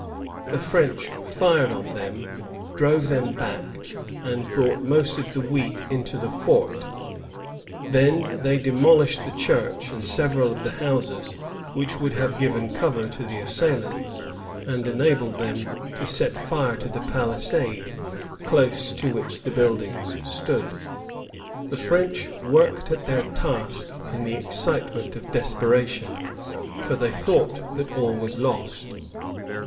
The French fired on them, drove them back, and brought most of the wheat into the fort; then they demolished the church and several of the houses, which would have given cover to the assailants and enabled them to set fire to the palisade, close to which the buildings stood. The French worked at their task in the excitement of desperation, for they thought that all was lost.